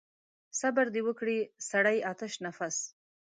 صبر دې وکړي سړی آتش نفس.